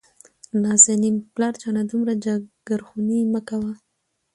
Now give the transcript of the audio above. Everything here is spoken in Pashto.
نازنين : پلار جانه دومره جګرخوني مه کوه.